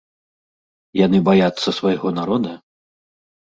Яны баяцца свайго народа?